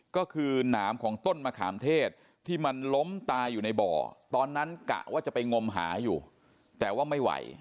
ก็คือหนามของต้นมะขามเทศที่มันล้มตายอยู่ในบ่อตอนนั้นกะว่าจะไปงมหาอยู่แต่ว่าไม่ไหว